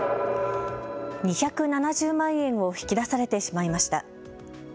２７０万円を引き出されてしまいました。